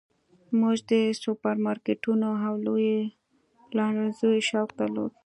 موږ د سوپرمارکیټونو او لویو پلورنځیو شوق درلود